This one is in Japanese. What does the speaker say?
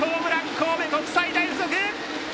神戸国際大付属！